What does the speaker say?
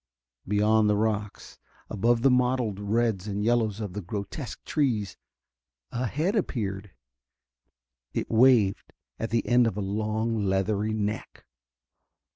Beyond the rocks, above the mottled reds and yellows of the grotesque trees, a head appeared. It waved at the end of a long, leathery neck.